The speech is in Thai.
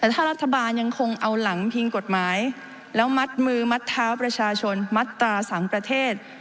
แต่ถ้ารัฐบาลยังคงเอาหลังพิงกฎหมายแล้วมัดมือมัดเท้าประชาชนมัดตรา๓ประเทศ